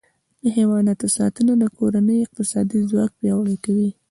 د حیواناتو ساتنه د کورنۍ اقتصادي ځواک پیاوړی کوي.